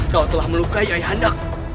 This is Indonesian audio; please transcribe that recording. kau telah melukai ayahanda